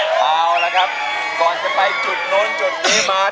เอาละครับก่อนจะไปจุดโน้นจุดนี้มา